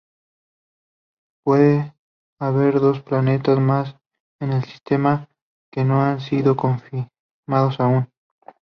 Puede haber dos planetas más en el sistema que no han sido confirmados aún.